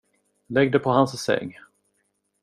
Lägg det på hans säng.